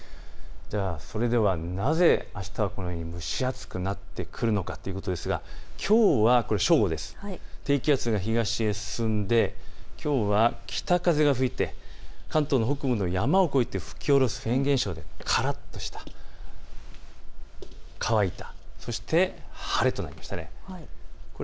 それではなぜ、あしたはこのように蒸し暑くなってくるのかということですが低気圧が東に進んできょうは北風が吹いて関東の北部の山を越えて吹き降ろすフェーン現象でからっとした乾いた、そして晴れとなりました。